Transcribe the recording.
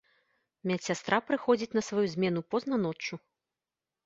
Медсястра прыходзіць на сваю змену позна ноччу.